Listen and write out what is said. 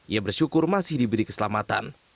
ia bersyukur masih diberi keselamatan